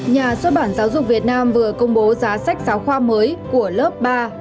nhà xuất bản giáo dục việt nam vừa công bố giá sách giáo khoa mới của lớp ba